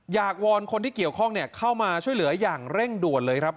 วอนคนที่เกี่ยวข้องเข้ามาช่วยเหลืออย่างเร่งด่วนเลยครับ